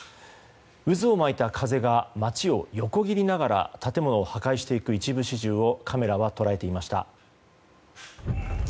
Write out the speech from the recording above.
渦を巻いた風が街を横切りながら建物を破壊していく一部始終をカメラは捉えていました。